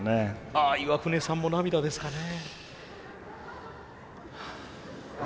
あ岩船さんも涙ですかね。